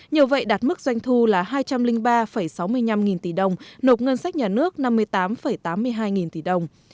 nhờ vậy đạt mức doanh thu là hai trăm linh ba sáu mươi năm nghìn tỷ đồng nộp ngân sách nhà nước năm mươi tám tám mươi hai nghìn tỷ đồng